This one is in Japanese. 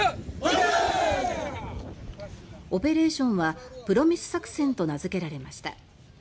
オペレーションはプロミス作戦と名付けられました